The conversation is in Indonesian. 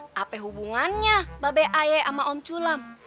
lah emangnya apa hubungannya bapak bapak ayo sama om sulam